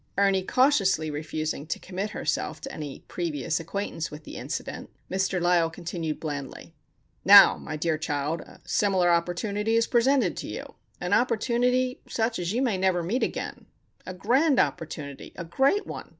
Ernie cautiously refusing to commit herself to any previous acquaintance with the incident, Mr. Lysle continued blandly:— "Now, my dear child, a similar opportunity is presented to you,—an opportunity such as you may never meet again—a grand opportunity! a great one!